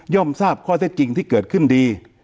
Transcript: ทราบข้อเท็จจริงที่เกิดขึ้นดี